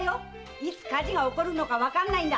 いつ火事が起こるのかわかんないんだ！